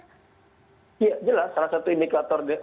iya jelas salah satu indikator